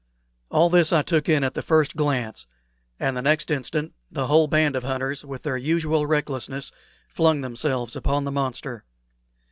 All this I took in at the first glance, and the next instant the whole band of hunters, with their usual recklessness, flung themselves upon the monster.